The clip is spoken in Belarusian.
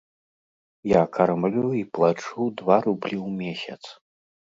Я кармлю і плачу два рублі ў месяц.